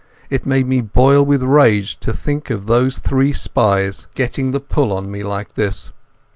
It made me boil with rage to think of those three spies getting the pull on me like this.